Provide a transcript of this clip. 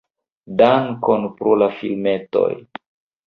"Dankon pro la filmetoj"!